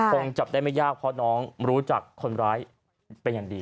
คงจับได้ไม่ยากเพราะน้องรู้จักคนร้ายเป็นอย่างดี